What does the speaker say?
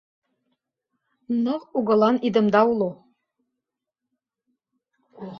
Ныл угылан идымда уло